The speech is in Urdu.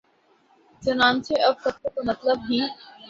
چنانچہ اب فتوے کا مطلب ہی